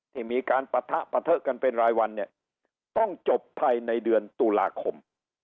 ที่มีการปะทะปะเทอะกันเป็นรายวันเนี่ยต้องจบภายในเดือนตุลาคม